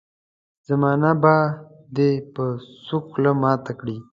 زمانه به دي په سوک خوله ماته کړي.